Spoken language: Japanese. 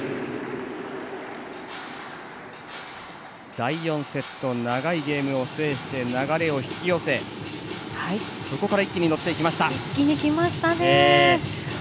第４セット、長いゲームを制して流れを引き寄せ一気にきましたね。